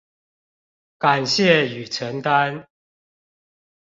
感謝與承擔